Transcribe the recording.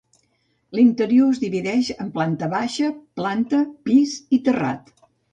L'interior es divideix en planta baixa, planta pis i terrat.